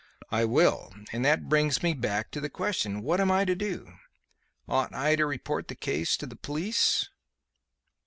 "I will. And that brings me back to the question, What am I to do? Ought I to report the case to the police?"